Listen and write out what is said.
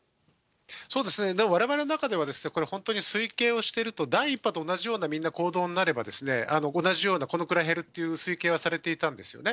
そうですね、でもわれわれの中ではこれ、本当に推計をしていると、第１波と同じような、みんな行動になれば、同じような、このくらい減るっていう推計はされていたんですよね。